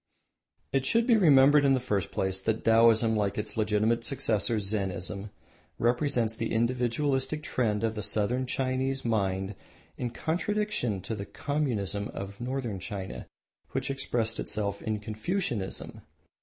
It should be remembered in the first place that Taoism, like its legitimate successor Zennism, represents the individualistic trend of the Southern Chinese mind in contra distinction to the communism of Northern China which expressed itself in Confucianism.